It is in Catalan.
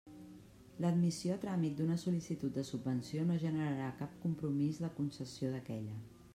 L'admissió a tràmit d'una sol·licitud de subvenció no generarà cap compromís de concessió d'aquella.